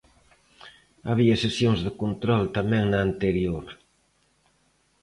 Había sesións de control tamén na anterior.